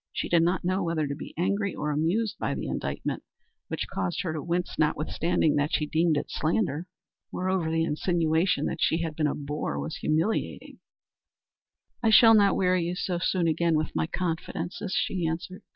She did not know whether to be angry or amused by the indictment, which caused her to wince notwithstanding that she deemed it slander. Moreover the insinuation that she had been a bore was humiliating. "I shall not weary you soon again with my confidences," she answered.